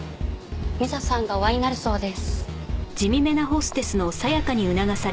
美沙さんがお会いになるそうです。